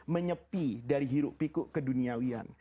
menyepi dari hirup piku keduniawian